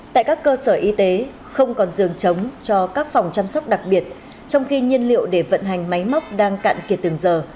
tại các cơ sở y tế không còn giường chống cho các phòng chăm sóc đặc biệt trong khi nhiên liệu để vận hành máy móc đang cạn kiệt từng giờ